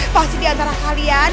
pasti di antara kalian